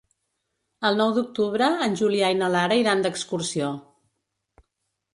El nou d'octubre en Julià i na Lara iran d'excursió.